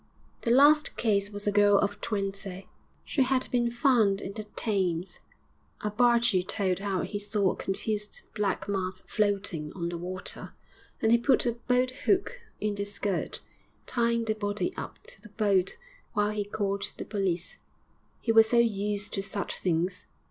The last case was a girl of twenty. She had been found in the Thames; a bargee told how he saw a confused black mass floating on the water, and he put a boat hook in the skirt, tying the body up to the boat while he called the police, he was so used to such things!